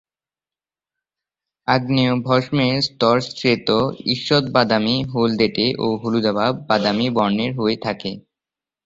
আগ্নেয়ভস্মের স্তর শ্বেত, ঈষৎ বাদামি হলদেটে ও হলুদাভ বাদামি বর্ণের হয়ে থাকে।